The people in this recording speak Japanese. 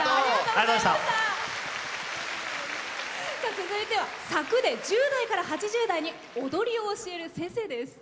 続いては佐久で１０代から８０代に踊りを教える先生です。